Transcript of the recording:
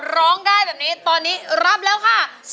ร้องได้แบบนี้ตอนนี้รับแล้วค่ะ